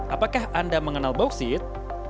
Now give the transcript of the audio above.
apakah anda mengenal bauksit